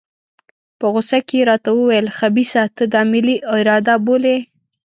په غوسه کې یې راته وویل خبیثه ته دا ملي اراده بولې.